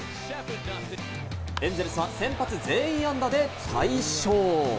エンゼルスは先発全員安打で大勝。